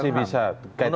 itu masih bisa dikaitkan